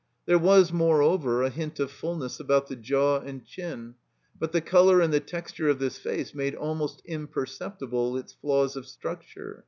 There was, moreover, a hint of f uUness about the jaw and chin. But the color and the texture of this face made almost imperceptible its flaws of structtu'e.